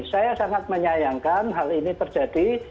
saya sangat menyayangkan hal ini terjadi